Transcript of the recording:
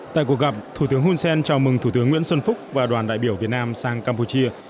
tại cuộc gặp thủ tướng hun sen chào mừng thủ tướng nguyễn xuân phúc và đoàn đại biểu việt nam sang campuchia